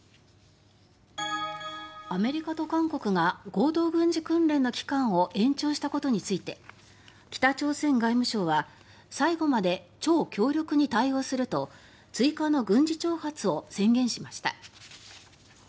アメリカと韓国が合同軍事訓練の期間を延長したことについて北朝鮮外務省は最後まで超強力に対応すると追加の軍事挑発を宣言しました。